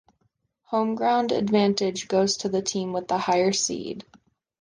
Home-ground advantage goes to the team with the higher seed.